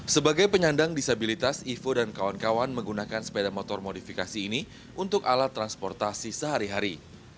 sebagai penyandang disabilitas ivo dan kawan kawan menggunakan sepeda motor modifikasi ini untuk alat transportasi sehari hari